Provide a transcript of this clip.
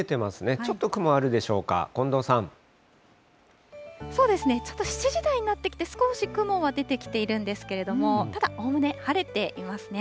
ちょっと雲あるでしょうか、近藤そうですね、ちょっと７時台になってきて、少し雲が出てきているんですけれども、ただおおむね晴れていますね。